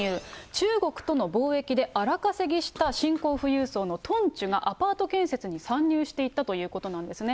中国との貿易で荒稼ぎした新興富裕層のトンチュがアパート建設に参入していったということなんですね。